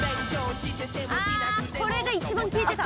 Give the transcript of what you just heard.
これが一番聴いてた！